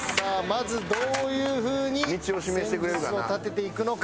まずどういう風に戦術を立てていくのか。